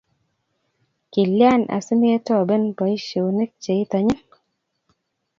kilyan asimetoben boisionik che itanyin.